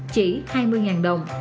chỉ hai mươi đồng